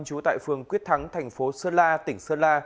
chú tại phường quyết thắng tp sơn la tỉnh sơn la